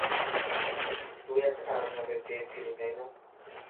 তুই একটা কারণ জানতে চেয়েছিলি, তাই না?